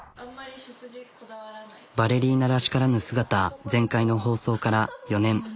バレリーナらしからぬ姿全開の放送から４年。